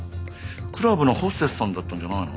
クラブのホステスさんだったんじゃないの？